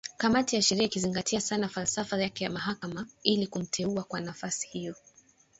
Kamati ya sheria ikizingatia sana falsafa yake ya mahakama, ili kumteua kwa nafasi hiyo.